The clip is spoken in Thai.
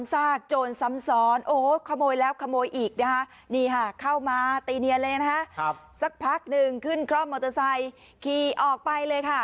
สักพักหนึ่งขึ้นข้อมมอเตอร์ไซค์ขี่ออกไปเลยค่ะ